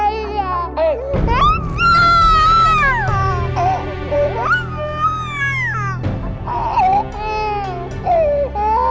saya kaget mét generation masih kelima